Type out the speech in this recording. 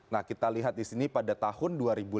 nah kita lihat di sini pada tahun dua ribu lima belas